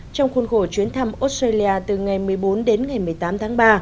trong khuôn khổ chuyến thăm australia từ ngày một mươi bốn đến ngày một mươi tám tháng ba